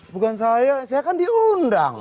bukan saya saya kan diundang